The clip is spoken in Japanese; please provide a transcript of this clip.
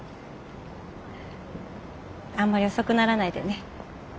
あんまり遅くならないでね。